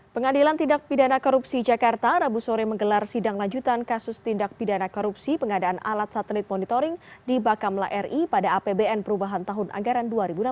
pengadilan tindak pidana korupsi jakarta rabu sore menggelar sidang lanjutan kasus tindak pidana korupsi pengadaan alat satelit monitoring di bakamla ri pada apbn perubahan tahun anggaran dua ribu delapan belas